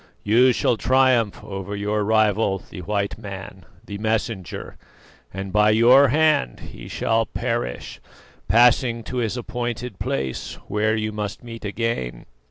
You shall triumph over your rival, the white man, the messenger; and by your hand he shall perish, passing to his appointed place where you must meet again.